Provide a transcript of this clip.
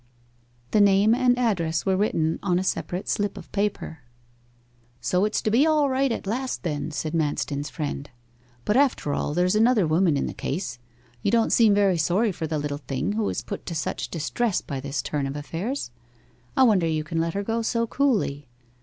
'" The name and address were written on a separate slip of paper. 'So it's to be all right at last then,' said Manston's friend. 'But after all there's another woman in the case. You don't seem very sorry for the little thing who is put to such distress by this turn of affairs? I wonder you can let her go so coolly.